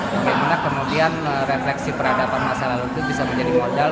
bagaimana kemudian refleksi peradaban masa lalu itu bisa menjadi modal